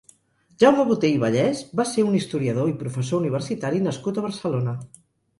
Jaume Botey i Vallès va ser un historiador i professor universitari nascut a Barcelona.